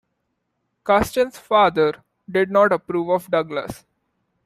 Custance's father did not approve of Douglas.